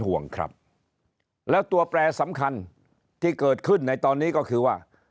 ห่วงครับแล้วตัวแปรสำคัญที่เกิดขึ้นในตอนนี้ก็คือว่า